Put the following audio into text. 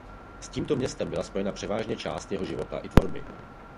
S tímto městem byla spojena převážná část jeho života i tvorby.